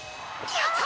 やった！